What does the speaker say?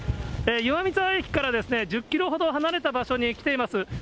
岩見沢駅から１０キロほど離れた場所に来ています。